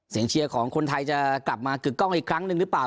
เชียร์ของคนไทยจะกลับมากึกกล้องอีกครั้งหนึ่งหรือเปล่า